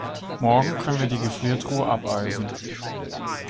Morgen können wir die Gefriertruhe abeisen.